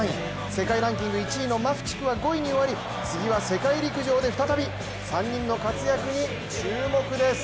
世界ランキング１位のマフチクは５位に終わり、次は世界陸上で再び３人の活躍に注目です。